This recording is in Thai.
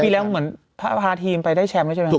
ปีแล้วเหมือนพาทีมไปได้แชมป์ไม่ใช่ไหมครับ